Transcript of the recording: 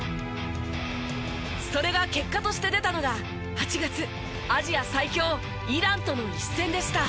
それが結果として出たのが８月アジア最強イランとの一戦でした。